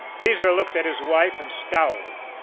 Beezer looked at his wife and scowled.